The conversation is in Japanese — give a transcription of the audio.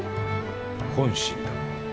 本心だ。